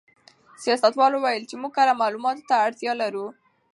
سیاستوال وویل چې موږ کره معلوماتو ته اړتیا لرو.